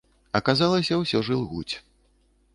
Аказалася, усё ж ілгуць.